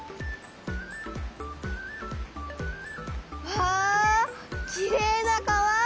わあきれいな川！